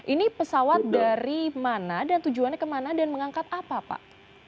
ini pesawat dari mana dan tujuannya kemana dan mengangkat apa pak